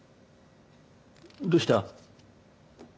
どうした？